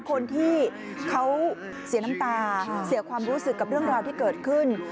คนที่เขาเสียน้ำตาเสียความรู้สึกกับเรื่องราวที่เกิดขึ้น